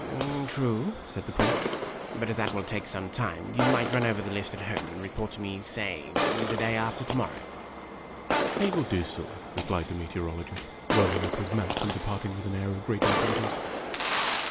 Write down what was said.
"True," said the Prince; "but as that will take some time, you I4 2 IMAGINOTIONS might run over the list at home and report to me, say, the day after to morrow." " I will do so," replied the Meteorologist, rolling up his map and departing with an air of great importance.